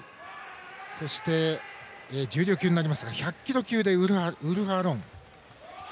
そして、重量級ですが１００キロ級のウルフ・アロン。